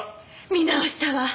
見直したわ！